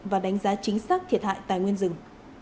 và đánh giá chính xác thiệt hại tài nguyên rừng